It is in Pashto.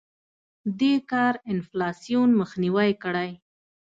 دې کار انفلاسیون مخنیوی کړی.